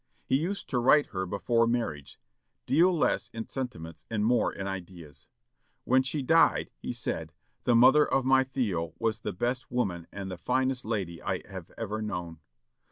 He used to write her before marriage, "Deal less in sentiments, and more in ideas." When she died, he said, "The mother of my Theo was the best woman and finest lady I have ever known."